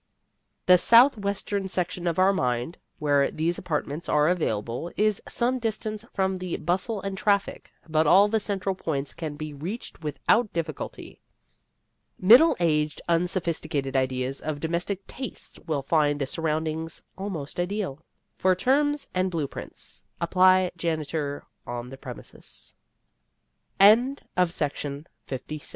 The southwestern section of our mind, where these apartments are available, is some distance from the bustle and traffic, but all the central points can be reached without difficulty. Middle aged, unsophisticated ideas of domestic tastes will find the surroundings almost ideal. For terms and blue prints apply janitor on the premises. WALT WHITMAN MINIATURES I A